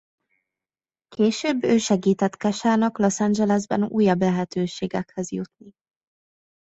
Később ő segített Keshának Los Angelesben újabb lehetőségekhez jutni.